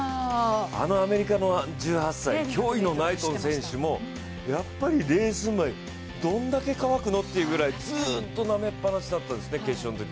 あのアメリカの１８歳驚異のナイトン選手も、レース前、どんだけ乾くのっていうぐらい、ずっとなめっぱなしだったですね。